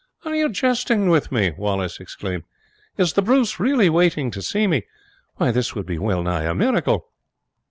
"Are you jesting with me?" Wallace exclaimed. "Is the Bruce really waiting to see me? Why, this would be well nigh a miracle."